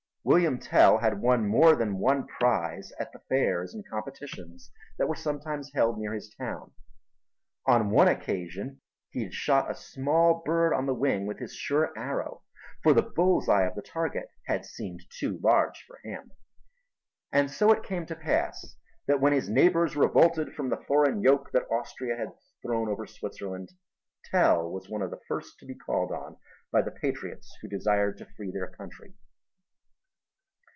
William Tell had won more than one prize at the fairs and competitions that were sometimes held near his town; on one occasion he had shot a small bird on the wing with his sure arrow, for the bullseye of the target had seemed too large for him. And so it came to pass that when his neighbors revolted from the foreign yoke that Austria had thrown over Switzerland Tell was one of the first to be called on by the patriots who desired to free their country.